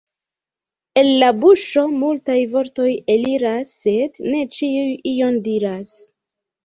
El la buŝo multaj vortoj eliras, sed ne ĉiuj ion diras.